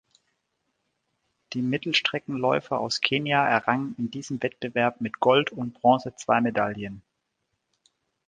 Die Mittelstreckenläufer aus Kenia errangen in diesem Wettbewerb mit Gold und Bronze zwei Medaillen.